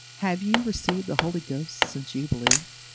"HAVE YE RECEIVED THE HOLY GHOST SINCE YE BELIEVED?"